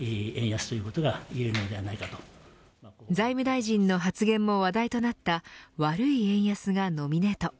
財務大臣の発言も話題となった悪い円安がノミネート。